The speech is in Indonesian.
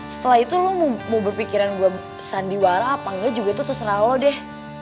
setelah itu lo mau berpikiran gue sandiwara apa enggak juga tuh terserah lo deh